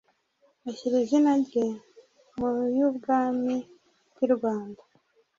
ashyira izina rye mu y'ubwami bw'i Rwanda -.